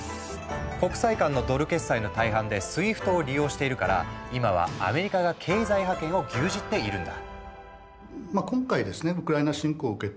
国際間のドル決済の大半で「ＳＷＩＦＴ」を利用しているから今はアメリカが経済覇権を牛耳っているんだ。